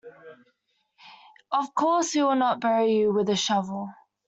Of course we will not bury you with a shovel.